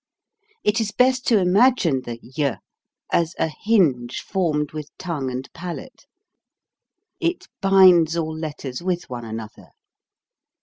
It is best to imagine the y as a hinge formed with tongue and palate. It binds all letters with one another.